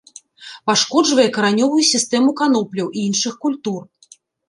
Пашкоджвае каранёвую сістэму канопляў і іншых культур.